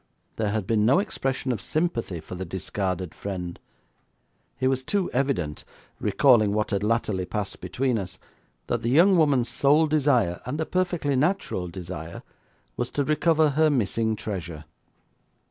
There had been no expression of sympathy for the discarded friend; it was too evident, recalling what had latterly passed between us, that the young woman's sole desire, and a perfectly natural desire, was to recover her missing treasure.